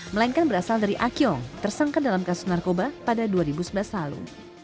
melainkan berasal dari akyong tersangka dalam kasus narkoba pada dua ribu sebelas lalu